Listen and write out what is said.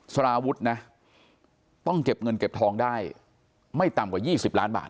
สารวุฒินะต้องเก็บเงินเก็บทองได้ไม่ต่ำกว่า๒๐ล้านบาท